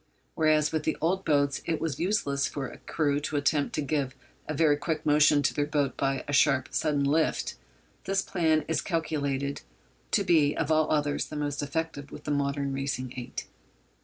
Whereas with the old boats it was useless for a crew to attempt to give a very quick motion to their boat by a sharp, sudden 'lift,' this plan is calculated to be, of all others, the most effective with the modern racing eight.